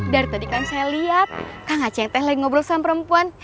dari tadi kan saya lihat kang aceh yang teh lagi ngobrol sama perempuan